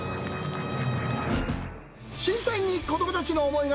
審査員に子どもたちの思いが